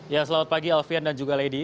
ya selamat pagi alfian dan juga lady